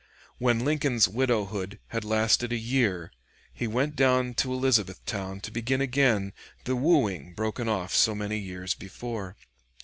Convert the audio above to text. When Lincoln's widowhood had lasted a year, he went down to Elizabethtown to begin again the wooing broken off so many years before.